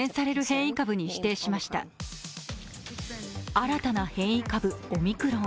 新たな変異株・オミクロン。